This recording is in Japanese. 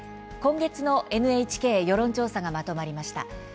今月のＮＨＫ世論調査がまとまりました。